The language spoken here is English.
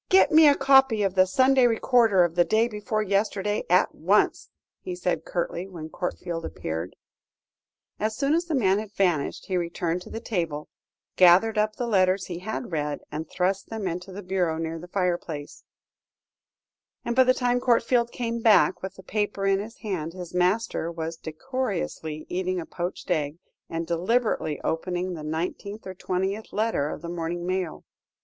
"Get me a copy of the Sunday Recorder of the day before yesterday, at once," he said curtly, when Courtfield appeared. As soon as the man had vanished, he returned to the table, gathered up the letters he had read, and thrust them into the bureau near the fireplace; and by the time Courtfield came back with the paper in his hand, his master was decorously eating a poached egg, and deliberately opening the nineteenth or twentieth letter of his morning mail.